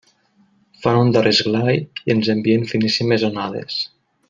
Fan un darrer esglai i ens envien finíssimes onades.